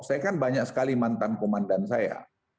saya kan banyak sekali mantan komandan saya